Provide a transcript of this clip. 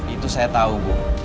itu saya tahu bu